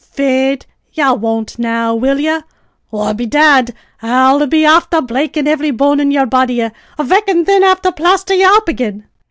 Faith, ye won't now, will ye? or, bedad, I'll be afther breakin' ivvrey bone in y'r body, avic, an' thin have to plasther ye up ag'in."